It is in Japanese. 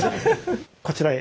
こちらへ。